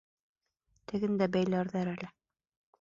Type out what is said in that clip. Тегендә бәйләрҙәр әле.